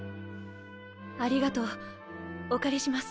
ありがとうお借りします。